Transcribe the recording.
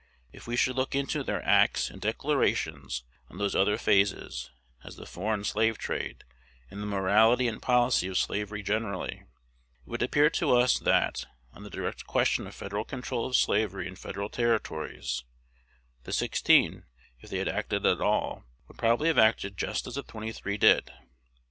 If we should look into their acts and declarations on those other phases, as the foreign slave trade, and the morality and policy of slavery generally, it would appear to us, that, on the direct question of Federal control of slavery in Federal Territories, the sixteen, if they had acted at all, would probably have acted just as the twenty three did.